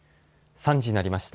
３時になりました。